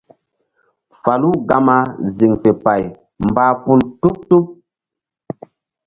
Falu gama ziŋ fe pay mbah pum tuɓ-tuɓ.